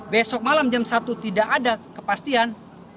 besok malam jam satu tidak ada kepastian